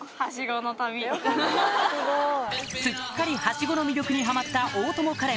すっかりハシゴの魅力にハマった大友花恋